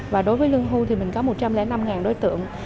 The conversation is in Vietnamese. và đối với lương hưu thì mình có một trăm linh năm đối tượng